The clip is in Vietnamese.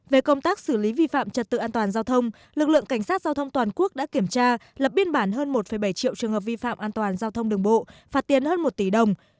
về công tác xử lý vi phạm trật tự an toàn giao thông lực lượng cảnh sát giao thông toàn quốc đã kiểm tra lập biên bản hơn một bảy triệu trường hợp vi phạm an toàn giao thông đường bộ phạt tiền hơn một tỷ đồng